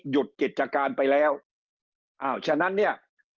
หยุดกิจการไปแล้วอ้าวฉะนั้นเนี่ย